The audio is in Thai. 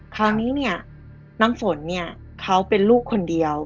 คราวนี้น้ำฝนเขาเป็นลูกคนเดียว